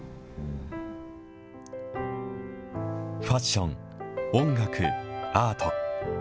ファッション、音楽、アート。